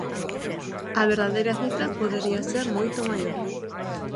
A verdadeira cifra podería ser moito maior.